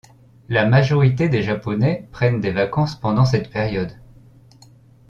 La majorité des Japonais prennent des vacances pendant cette période.